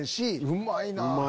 うまいなぁ。